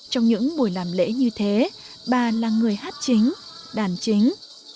trong những buổi làm lễ như thế bà là người hát chính đàn chính